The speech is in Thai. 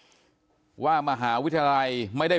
ทางรองศาสตร์อาจารย์ดรอคเตอร์อัตภสิตทานแก้วผู้ชายคนนี้นะครับ